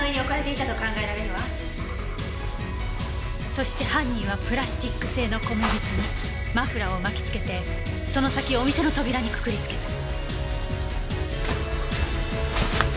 そして犯人はプラスチック製の米びつにマフラーを巻き付けてその先をお店の扉にくくり付けた。